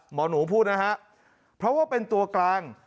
หมอหนูพูดนะฮะเพราะว่าเป็นตัวกลาง